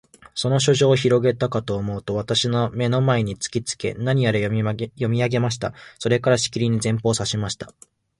その書状をひろげたかとおもうと、私の眼の前に突きつけて、何やら読み上げました。それから、しきりに前方を指さしました。